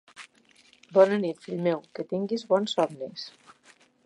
Bona nit, fill meu. Qui tinguis bons somnis.